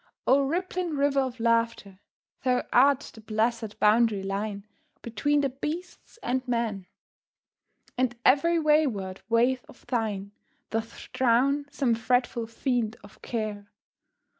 O rippling river of laughter, thou art the blessed boundary line between the beasts and men; and every wayward wave of thine doth drown some fretful fiend of care.